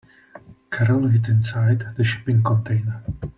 Carol hid inside the shipping container.